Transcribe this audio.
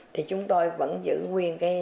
thì chúng tôi vẫn giữ nguyên cái